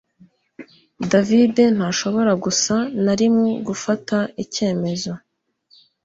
David ntashobora gusa na rimwe gufata icyemezo